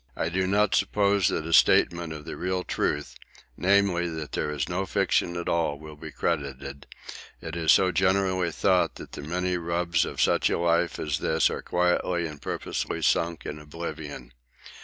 I do not suppose that a statement of the real truth, namely, that there is no friction at all, will be credited it is so generally thought that the many rubs of such a life as this are quietly and purposely sunk in oblivion.